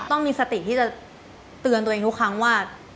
ต้องมีสติที่จะเตือนตัวเองทุกครั้งว่า